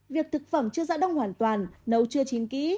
việc thực phẩm chưa dạ đông hoàn toàn nấu chưa chín ký